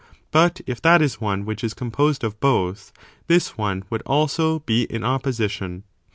But if that is one which is composed of both, this one would also be in opposition.